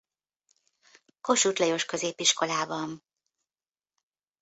Kossuth Lajos Középiskolában.